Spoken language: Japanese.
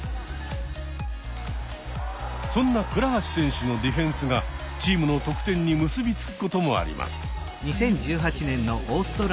そんな倉橋選手のディフェンスがチームの得点に結び付くこともあります。